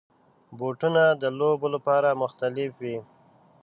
بوټونه د لوبو لپاره مختلف وي.